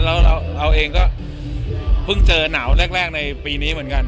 แล้วเราเองก็เพิ่งเจอหนาวแรกในปีนี้เหมือนกัน